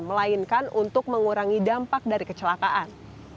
melainkan untuk mengurangi dampak dari kecelakaan